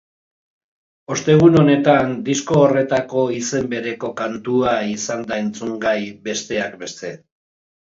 Ostegun honetan disko horretako izen bereko kantua izan da entzungai, besteak beste.